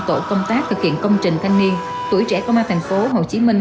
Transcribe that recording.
tổ công tác thực hiện công trình thanh niên tuổi trẻ công an thành phố hồ chí minh